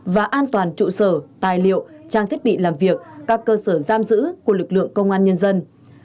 và an toàn trụ sở tài liệu trang thiết bị làm việc các cơ sở giam giữ của lực lượng công an nhân dân